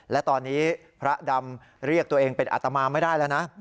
และตอนนี้พระดำเรียกตัวเองเป็นอัตมาไม่ได้แล้วนะ